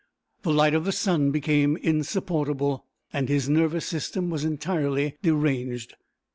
The light of the sun became insupportable, and his nervous system was entirely deranged.